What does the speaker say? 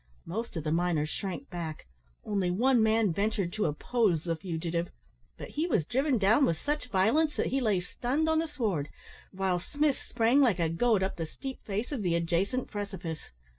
Most of the miners shrank back only one man ventured to oppose the fugitive; but he was driven down with such violence, that he lay stunned on the sward, while Smith sprang like a goat up the steep face of the adjacent precipice.